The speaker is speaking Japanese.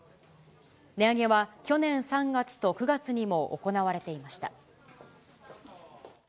値上げは去年３月と９月にも行われていました。